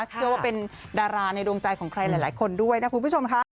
เชื่อว่าเป็นดาราในดวงใจของใครหลายคนด้วยนะคุณผู้ชมค่ะ